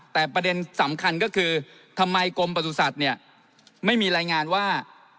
แต่ประเด็นสำคัญก็คือทำไมกรมประสุทธิ์เนี่ยไม่มีรายงานว่า